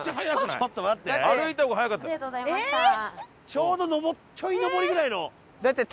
ちょうど上ったちょい上りぐらいの。だって。